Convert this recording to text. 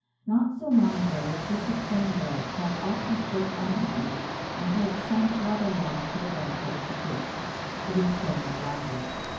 Not so long ago a piece of plain bread might often float uneaten until it sank waterlogged for the benefit of the fish. It is so no longer.